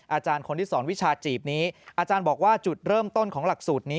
อาจารย์คนที่สอนวิชาจีบนี้อาจารย์บอกว่าจุดเริ่มต้นของหลักสูตรนี้